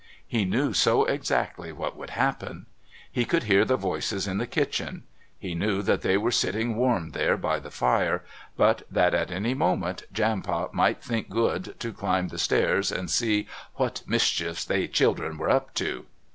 He knew so exactly what would happen. He could hear the voices in the kitchen. He knew that they were sitting warm there by the fire, but that at any moment Jampot might think good to climb the stairs and see "what mischief they children were up to."